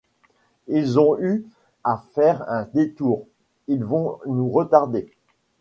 Ils ont eu à faire un détour... ils vont nous retarder...